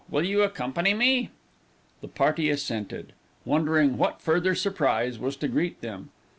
Will you accompany me?" The party assented, wondering what further surprise was to greet them.